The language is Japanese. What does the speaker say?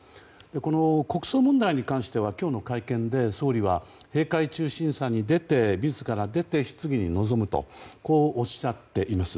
この国葬問題に関しては今日の会見で総理は閉会中審査に自ら出て質疑に臨むとおっしゃっています。